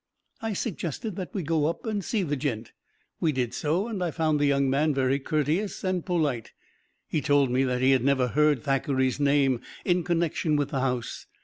I suggested that we go up and see the "gent." We did so, and I found the young man very courteous and polite. He told me that he had never heard Thackeray's name in connection with the house.